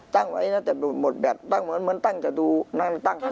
ตั้งไว้แต่หมดแบบตั้งเหมือนตั้งจะดูนั่งตั้งข้างหน้า